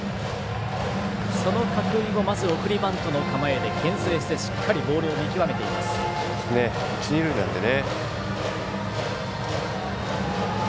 その角井を送りバントの構えでけん制して、しっかりボールを一、二塁なんでね。